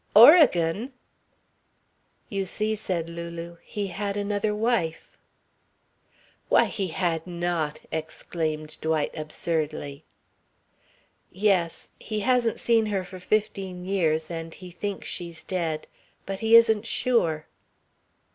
"Oregon!" "You see," said Lulu, "he had another wife." "Why, he had not!" exclaimed Dwight absurdly. "Yes. He hasn't seen her for fifteen years and he thinks she's dead. But he isn't sure."